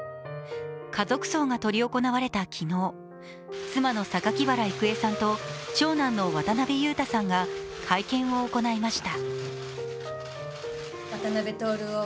家族葬が執り行われた昨日、妻の榊原郁恵さんと長男の渡辺裕太さんが会見を行いました。